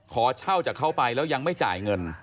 ขอเช่าจากเขาไปแล้วยังไม่จ่ายเงิน